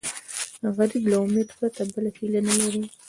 غریب له امید پرته بله هیله نه لري